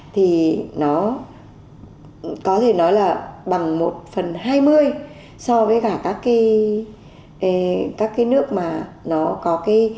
thì nó có thể nói là bằng một phần hai mươi so với cả các cái nước mà nó có cái